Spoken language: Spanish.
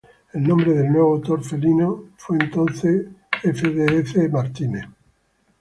El nombre del nuevo autor felino fue entonces F. D. C. Willard.